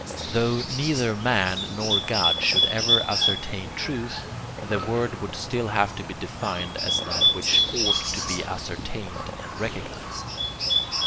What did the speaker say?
Tho neither man nor God should ever ascertain truth, the word would still have to be defined as that which OUGHT to be ascertained and recognized.